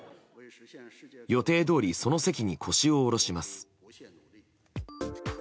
予定どおりその席に腰を下ろします。